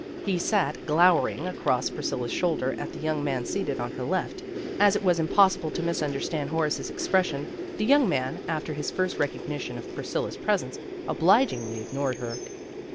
He sat glowering across Priscilla 's shoulder at the young man seated on her left. As it was im possible to misunderstand Horace's expres sion, the young man, after his first recognition of Priscilla 's presence, obligingly ignored her.